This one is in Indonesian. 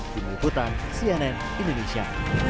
di bukutan cnn indonesia